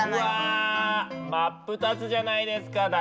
うわ真っ二つじゃないですか。